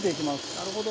なるほど。